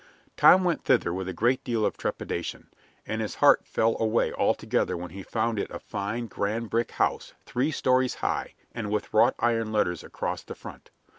Tom went thither with a great deal of trepidation, and his heart fell away altogether when he found it a fine, grand brick house, three stories high, and with wrought iron letters across the front.